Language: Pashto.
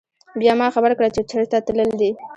بيا ما خبر کړه چې چرته تلل دي